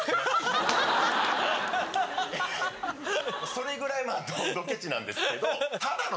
それぐらいドケチなんですけど。